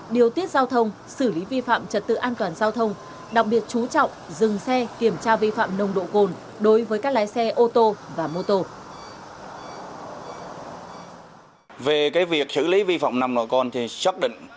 điều tiết giao thông xử lý vi phạm trật tự an toàn giao thông đặc biệt chú trọng dừng xe kiểm tra vi phạm nồng độ cồn đối với các lái xe ô tô và mô tô